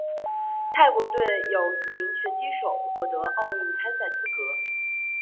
泰国队有四名拳击手获得奥运参赛资格。